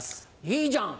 いいじゃん。